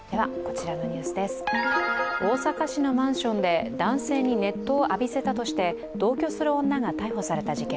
大阪市のマンションで男性に熱湯を浴びせたとして同居する女が逮捕された事件。